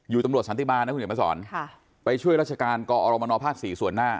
อยู่ตำรวจสันติบาลนะคุณเห็นประสอร์นไปช่วยราชการก่ออรมนภาค๔ส่วนหน้า